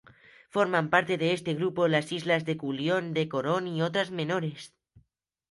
Forman parte de este grupo las islas de Culión, de Corón y otras menores.